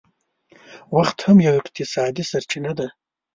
وخت هم یو اقتصادي سرچینه ده